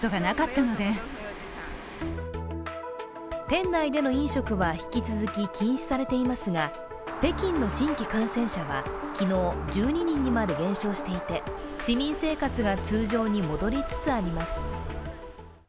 店内での飲食は引き続き禁止されていますが、北京の新規感染者は昨日１２人にまで減少していて、市民生活が通常に戻りつつあります。